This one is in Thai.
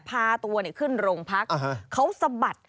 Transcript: พาตัวขึ้นโรงพักเขาสะบัด